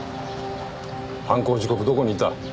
犯行時刻どこにいた？